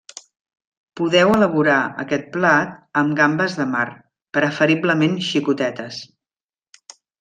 Podeu elaborar aquest plat amb gambes de mar, preferiblement xicotetes.